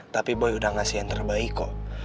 tapi boy udah ngasih yang terbaik kok